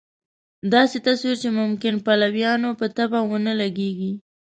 داسې تصویر چې ممکن پلویانو په طبع ونه لګېږي.